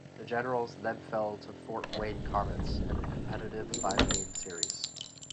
The Generals then fell to the Fort Wayne Komets in a competitive five-game series.